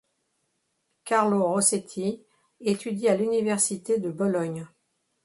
Carlo Rossetti étudie à l'université de Bologne.